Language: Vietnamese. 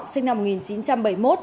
sinh năm một nghìn chín trăm bảy mươi một